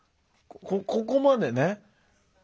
ここまでね。